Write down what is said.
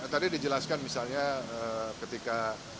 tadi dijelaskan misalnya ketika